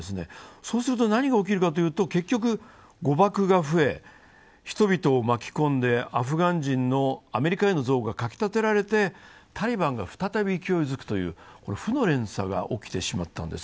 そうすると何が起きるかというと結局、誤爆が増え、人々を巻き込んでアフガン人のアメリカへの憎悪がかき立てられてタリバンが再び勢いづくという負の連鎖が起きてしまったんです。